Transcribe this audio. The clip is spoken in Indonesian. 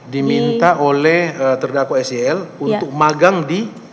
diminta oleh terdakwa sel untuk magang di